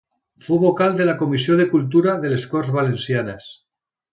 Fou vocal de la Comissió de Cultura de les Corts Valencianes.